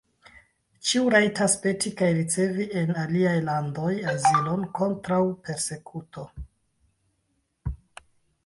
Ĉiu rajtas peti kaj ricevi en aliaj landoj azilon kontraŭ persekuto.